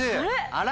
あら？